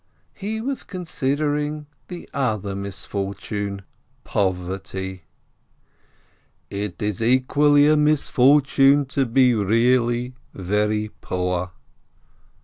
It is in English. He was considering the other misfortune — poverty. "It is equally a misfortune to be really very poor."